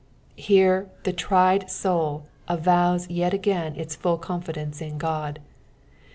Here the tried soul avows yet Kin its full confidence in Qod.